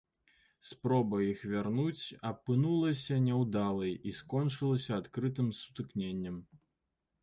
Спроба іх вярнуць апынулася няўдалай і скончылася адкрытым сутыкненнем.